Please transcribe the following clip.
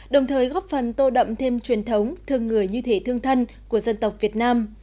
đồng thời góp phần tô đậm thêm truyền thống thương người như thể thương thân của dân tộc việt nam